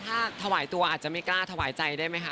ถ้าถวายตัวอาจจะไม่กล้าถวายใจได้ไหมคะ